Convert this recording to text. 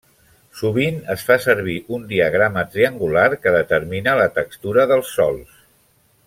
Sovint es fa servir un diagrama triangular que determina la textura dels sòls.